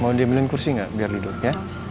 mau diem liun kursi gak biar liduh